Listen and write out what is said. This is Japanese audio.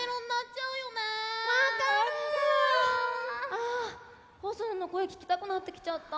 あホソノの声聞きたくなってきちゃった。